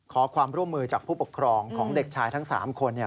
ขอความร่วมมือจากผู้ปกครองของเด็กชายทั้ง๓คน